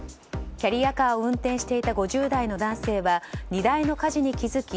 キャリアカーを運転していた５０代の男性は荷台の火事に気付き